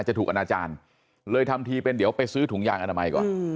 จะถูกอนาจารย์เลยทำทีเป็นเดี๋ยวไปซื้อถุงยางอนามัยก่อน